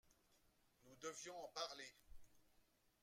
Nous devions en parler.